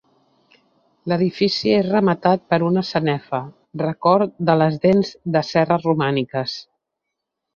L'edifici és rematat per una sanefa, record de les dents de serra romàniques.